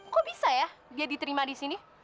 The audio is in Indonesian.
kok bisa ya dia diterima disini